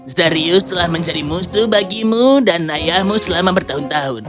zarius telah menjadi musuh bagimu dan ayahmu selama bertahun tahun